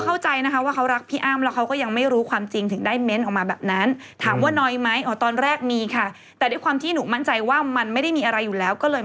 ไม่ใช่แบบน้ำจิตน้ำเจ้าของเธอมันควรเลิศจริงเลย